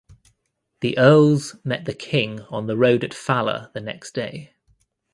The Earls met the King on the road at Fala the next day.